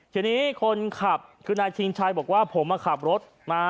ทีนี้คนขับคือนายชิงชัยบอกว่าผมมาขับรถมา